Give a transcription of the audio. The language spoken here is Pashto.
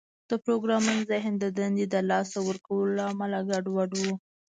د پروګرامر ذهن د دندې د لاسه ورکولو له امله ګډوډ و